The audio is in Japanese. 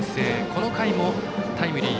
この回もタイムリー。